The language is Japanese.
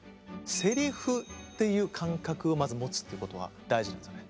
セリフという感覚をまず持つということは大事なんですよね。